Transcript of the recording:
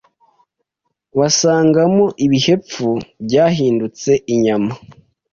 basangamo ibihepfu byahindutse inyama